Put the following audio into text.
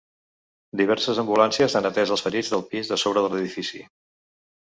Diverses ambulàncies han atès els ferits del pis de sobre de l’edifici.